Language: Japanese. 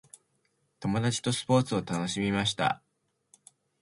友達とスポーツを楽しみました。